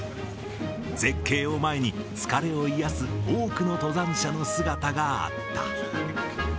絶景を前に、疲れを癒やす多くの登山者の姿があった。